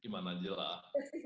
gimana aja lah